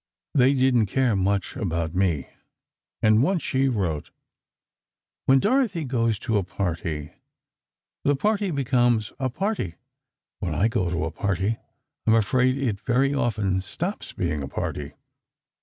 They didn't care much about me." And once she wrote: "When Dorothy goes to a party, the party becomes a party: When I go to a party, I'm afraid it very often stops being a party....